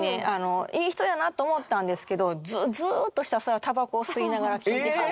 いい人やなって思ったんですけどずっとひたすらタバコを吸いながら聞いてはって。